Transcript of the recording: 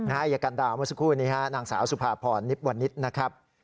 อายการดาวเมื่อสักครู่นี้นางสาวสุภาพรนิบวันนิษฐ์นะครับ